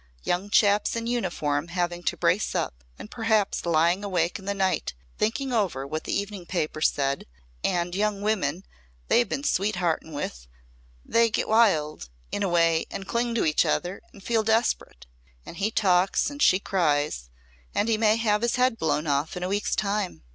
Young chaps in uniform having to brace up and perhaps lying awake in the night thinking over what the evening papers said and young women they've been sweet heartin' with they get wild, in a way, and cling to each other and feel desperate and he talks and she cries and he may have his head blown off in a week's time.